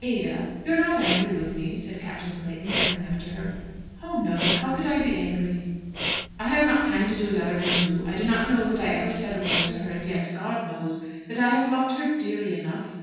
"Ada, you are not angry with me," said Captain Clayton, coming up to her. "Oh, no! How could I be angry?" "I have not time to do as other men do. I do not know that I ever said a word to her; and yet, God knows, that I have loved her dearly enough.